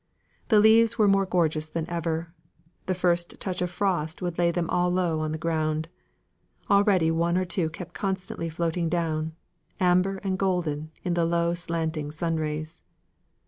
The leaves were more gorgeous than ever; the first touch of frost would lay them all low on the ground. Already one or two kept constantly floating down, amber and golden in the low slanting sun rays.